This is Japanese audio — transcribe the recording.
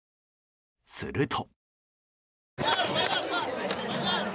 すると。